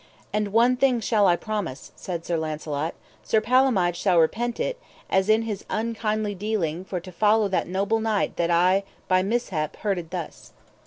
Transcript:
And one thing shall I promise, said Sir Launcelot, Sir Palomides shall repent it as in his unkindly dealing for to follow that noble knight that I by mishap hurted thus.